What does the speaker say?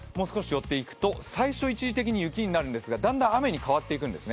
最初一時的に雪になるんですが、だんだん雨に変わっていくんですね。